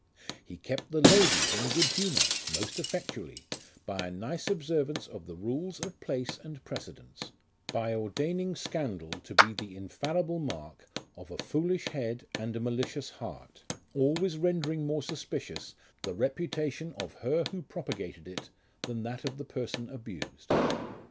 He kept the Ladies in good humour ; most effectually, By a nice observance of the rules of place and precedence ; By ordaining scandal to be the infallible mark Of a foolish head and a malicious heart, Always rendering more suspicious The reputation of her who propagated it, Than that of the person abused.